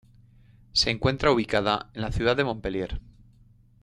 Se encuentra ubicada en la ciudad de Montpellier.